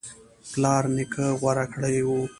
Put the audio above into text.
پلار نیکه غوره کړی و